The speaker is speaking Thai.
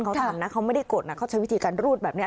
เขาทำนะเขาไม่ได้กดนะเขาใช้วิธีการรูดแบบนี้